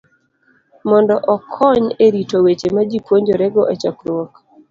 mondo okony e rito weche majipuonjorego e chokruok.